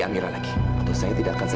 amira pengen ketemu sama ayah bu